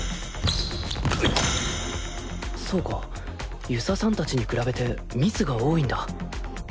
そうか遊佐さん達に比べてミスが多いんだ